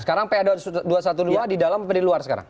sekarang pa dua ratus dua belas di dalam atau di luar sekarang